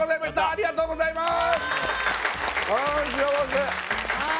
ありがとうございます